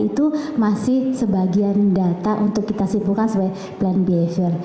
itu masih sebagian data untuk kita simpulkan point behavior